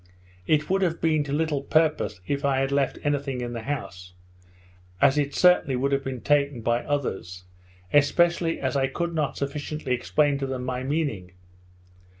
It would have been to little purpose if I had left any thing in the house, as it certainly would have been taken by others; especially as I could not sufficiently explain to them my meaning.